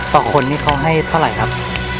ต่อคนนี้เขาให้เท่าไหร่ครับ